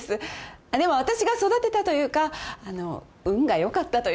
でもあたしが育てたというかあの運が良かったというか。